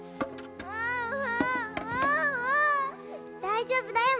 大丈夫だよ